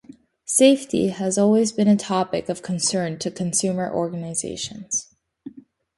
Safety has always been a topic of concern to consumer organisations.